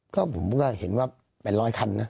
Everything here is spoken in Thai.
ก็ผมก็เห็นว่าเป็นร้อยคันนะ